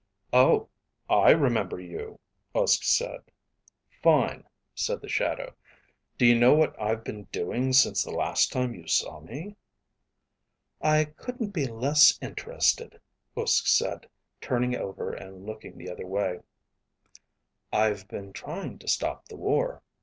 "Oh, I remember you," Uske said. "Fine," said the shadow. "Do you know what I've been doing since the last time you saw me?" "I couldn't be less interested," Uske said, turning over and looking the other way. "I've been trying to stop the war.